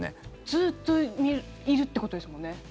ずっといるってことですもんね。